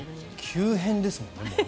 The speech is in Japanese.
急変ですもんね。